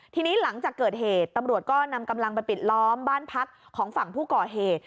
ทีนี้หลังจากเกิดเหตุตำรวจก็นำกำลังไปปิดล้อมบ้านพักของฝั่งผู้ก่อเหตุ